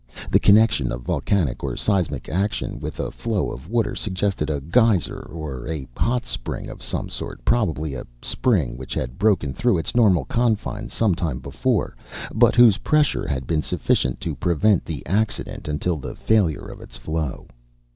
The connection of volcanic or seismic action with a flow of water suggested a geyser or a hot spring of some sort, probably a spring which had broken through its normal confines some time before, but whose pressure had been sufficient to prevent the accident until the failure of its flow.